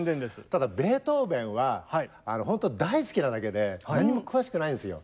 ただベートーベンはあのほんと大好きなだけで何も詳しくないですよ。